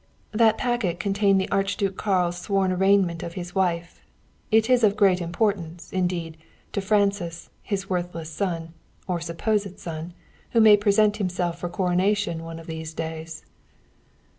" that packet contained the Archduke Karl's sworn arraignment of his wife. It is of great importance, indeed, to Francis, his worthless son, or supposed son, who may present himself for coronation one of these days!"